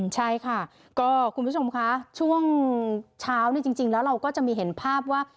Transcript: ใช่ค่ะก็คุณผู้ชมคะช่วงเช้าจริงแล้วเราก็จะมีเห็นภาพว่า